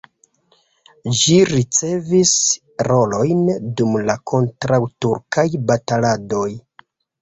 Ĝi ricevis rolojn dum la kontraŭturkaj bataladoj.